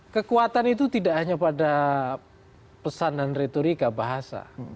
kekuatan itu tidak hanya pada pesanan retorika bahasa